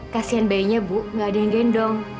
kasian bayinya bu gak ada yang gendong